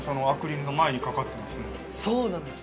そうなんです。